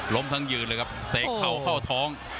ทั้งยืนเลยครับเสกเข้าเข้าท้อง